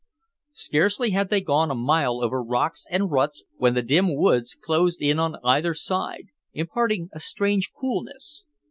Scarcely had they gone a mile over rocks and ruts when the dim woods closed in on either side, imparting a strange coolness.